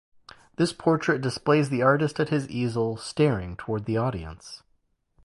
This portrait displays the artist at his easel staring toward the audience.